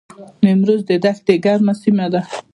نیمروز د دښتې ګرمه سیمه ده